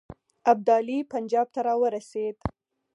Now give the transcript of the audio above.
ابدالي پنجاب ته را ورسېد.